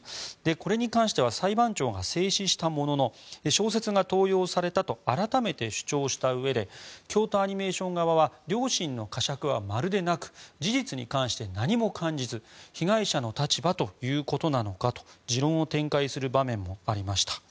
これに関しては裁判長が制止したものの小説が盗用されたと改めて主張したうえで京都アニメーション側は良心のかしゃくはまるでなく事実に関して何も感じず被害者の立場ということなのかと持論を展開する場面もありました。